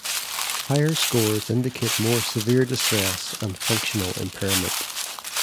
Higher scores indicate more severe distress and functional impairment.